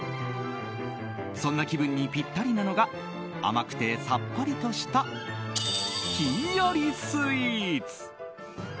そんな気分にピッタリなのが甘くてさっぱりとしたひんやりスイーツ。